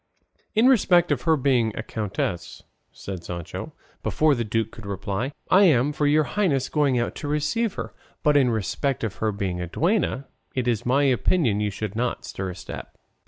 "In respect of her being a countess," said Sancho, before the duke could reply, "I am for your highnesses going out to receive her; but in respect of her being a duenna, it is my opinion you should not stir a step."